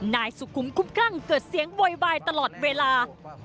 นายสุขุมคุ้มคลั่งเกิดเสียงโวยวายตลอดเวลา